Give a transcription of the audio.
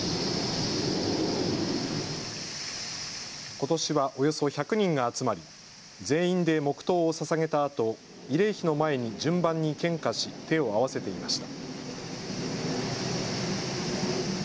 ことしはおよそ１００人が集まり全員で黙とうをささげたあと慰霊碑の前に順番に献花し手を合わせていました。